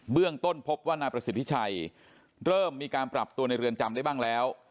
เรื่องต้นพบว่านายประสิทธิชัยเริ่มมีการปรับตัวในเรือนจำได้บ้างแล้ว